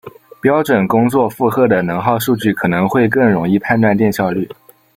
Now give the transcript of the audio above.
标准工作负荷的能耗数据可能会更容易判断电效率。